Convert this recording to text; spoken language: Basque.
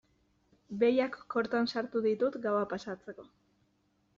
Behiak kortan sartu ditut gaua pasatzeko.